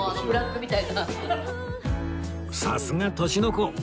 さすが年の功！